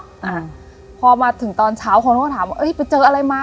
อ่าพอมาถึงตอนเช้าคนก็ถามว่าเอ้ยไปเจออะไรมา